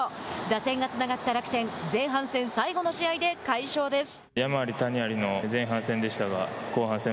打線がつながった楽天前半戦最後の試合で快勝です。